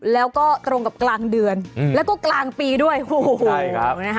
แล้วก็ตรงกับกลางเดือนแล้วก็กลางปีด้วยโหนะฮะ